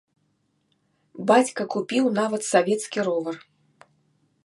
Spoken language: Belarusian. Бацька купіў нават савецкі ровар.